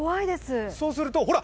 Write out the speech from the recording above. そうすると、ほら！